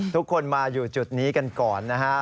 ทุกคนมาอยู่จุดนี้กันก่อนนะฮะ